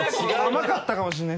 甘かったかもしれない。